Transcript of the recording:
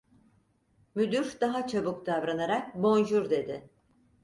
Müdür daha çabuk davranarak: "Bonjur!" dedi.